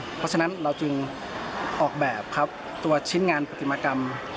เพราะฉะนั้นเราจึงออกแบบครับตัวชิ้นงานปฏิมากรรม